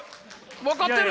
分かってる！